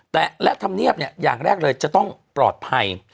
แต่และธรรมเนียบอย่างแรกเลยจะต้องปลอดภัย